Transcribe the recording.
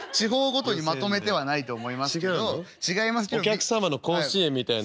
お客様の甲子園みたいな。